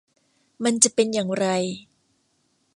มันจะเป็นอย่างไร